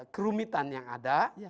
kerumitan yang ada